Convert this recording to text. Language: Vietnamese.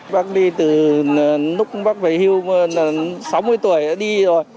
bác đi từ lúc bác phải hưu sáu mươi tuổi đã đi rồi